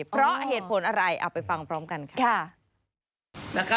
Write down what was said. เพราะเหตุผลอะไรเอาไปฟังพร้อมกันค่ะ